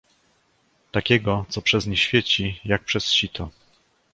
"takiego, co przez nie świeci, jak przez sito."